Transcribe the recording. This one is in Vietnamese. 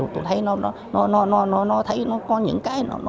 tôi thấy nó có những cái